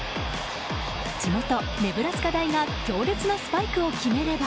地元ネブラスカ大が強烈なスパイクを決めれば。